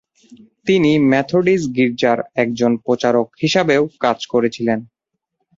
তিনি মেথোডিস্ট গীর্জার একজন প্রচারক হিসাবেও কাজ করেছিলেন।